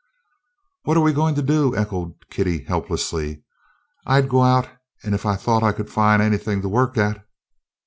"What are we goin' to do?" echoed Kitty helplessly. "I 'd go out ef I thought I could find anythin' to work at."